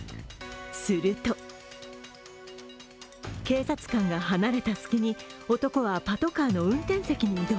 すると警察官が離れた隙に男はパトカーの運転席に移動。